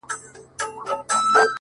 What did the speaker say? د کلي سيند راته هغه لنده خيسته راوړې _